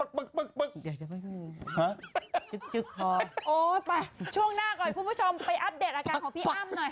ไปช่วงหน้าก่อนคุณผู้ชมไปอัปเดตอาการของพี่อ้ำหน่อย